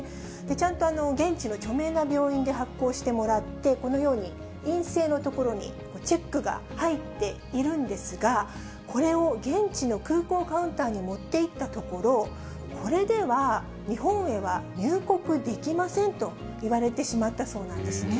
ちゃんと現地の著名な病院で発行してもらって、このように、陰性のところにチェックが入っているんですが、これを現地の空港カウンターに持っていったところ、これでは日本へは入国できませんと言われてしまったそうなんです